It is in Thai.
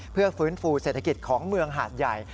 เพื่อฟื้นฟูเศรษฐกิจของเมืองหาดใหญ่